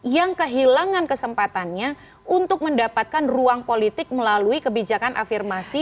yang kehilangan kesempatannya untuk mendapatkan ruang politik melalui kebijakan afirmasi